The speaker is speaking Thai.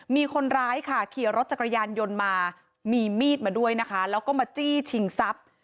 มีคนร้ายค่ะขี่รถจักรยานยนต์มามีมีดมาด้วยนะคะแล้วก็มาจี้ชิงทรัพย์